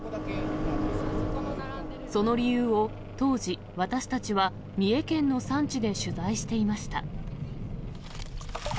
その理由を当時、私たちは三重県の産地で取材していました。